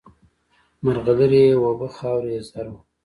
مرغلري یې اوبه خاوره یې زر وه